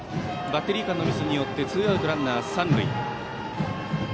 バッテリー間のミスによってツーアウトランナー、三塁。